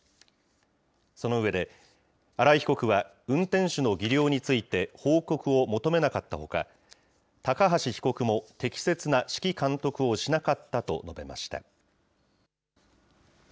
その上で、荒井被告は運転手の技量について報告を求めなかったほか、高橋被告も適切な指揮監督をしなかったと述べました。